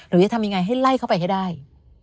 หรือจะทำยังไงให้ไล่เข้าไปให้ได้